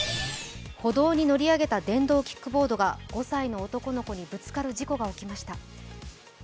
歩道に乗り上げた電動キックボードが５歳の男の子にぶつかる事故が起きました。